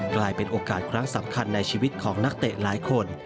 กลายเป็นโอกาสครั้งสำคัญในชีวิตของนักเตะหลายคน